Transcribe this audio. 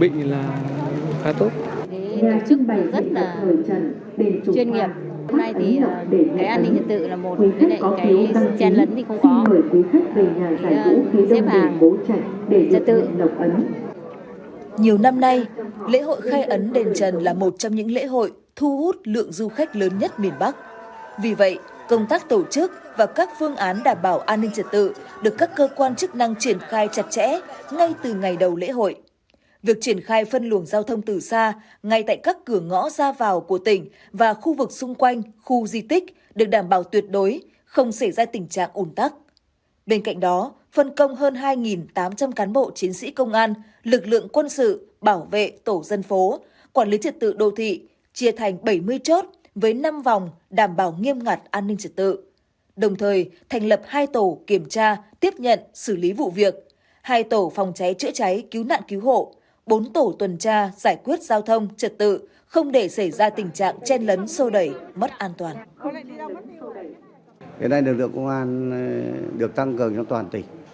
bên cạnh đó phân công hơn hai tám trăm linh cán bộ chiến sĩ công an lực lượng quân sự đồng thời thành lập hai tổ kiểm tra giải quyết giao thông thật tự không để xảy ra tình trạng chen lấn sô đẩy mất an toàn